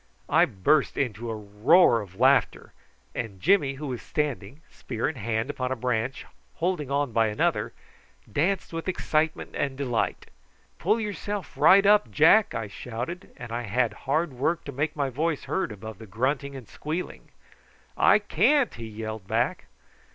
I burst into a roar of laughter, and Jimmy, who was standing, spear in hand, upon a branch, holding on by another, danced with excitement and delight. "Pull yourself right up, Jack," I shouted, and I had hard work to make my voice heard above the grunting and squealing. "I can't," he yelled back.